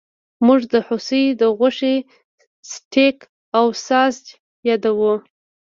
موږ د هوسۍ د غوښې سټیک او ساسج یادوو